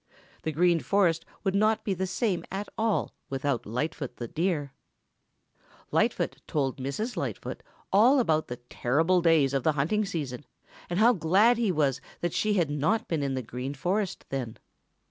The Green Forest would not be the same at all without Lightfoot the Deer. Lightfoot told Mrs. Lightfoot all about the terrible days of the hunting season and how glad he was that she had not been in the Green Forest then.